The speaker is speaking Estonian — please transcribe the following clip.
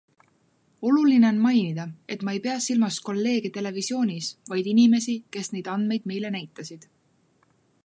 Oluline on mainida, et ma ei pea silmas kolleege televisioonis, vaid inimesi, kes neid andmeid meile näitasid.